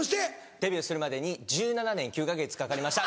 デビューするまでに１７年９か月かかりました。